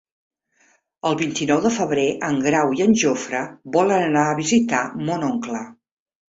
El vint-i-nou de febrer en Grau i en Jofre volen anar a visitar mon oncle.